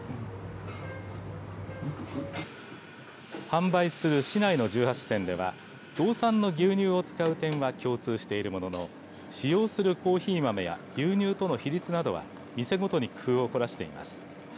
販売する市内の１８店では道産の牛乳を使う点は共通しているものの使用するコーヒー豆や牛乳との比率などは店ごとに工夫を凝らしています。